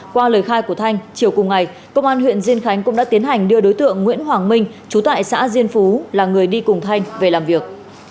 qua lời khai của thanh chiều cùng ngày công an huyện diên khánh cũng đã tiến hành đưa đối tượng nguyễn hoàng minh trú tại xã diên phú là người đi cùng thanh về làm việc